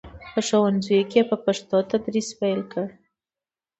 په ښوونځیو کې یې په پښتو تدریس پیل کړ.